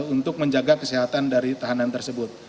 untuk menjaga kesehatan dari tahanan tersebut